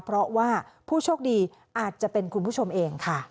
เพราะว่าผู้โชคดีอาจจะเป็นคุณผู้ชมเองค่ะ